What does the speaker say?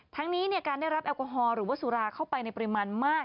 ทั้งนี้การได้รับแอลกอฮอลหรือว่าสุราเข้าไปในปริมาณมาก